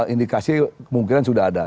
indikasi kemungkinan sudah ada